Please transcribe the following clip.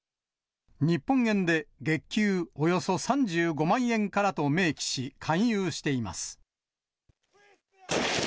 日本円で月給およそ３５万円からと明記し、勧誘しています。